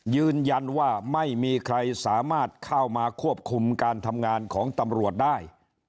ยืนยันว่าไม่มีใครสามารถเข้ามาควบคุมการทำงานของตำรวจได้